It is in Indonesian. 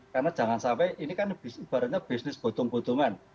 karena jangan sampai ini kan ibaratnya bisnis botong botongan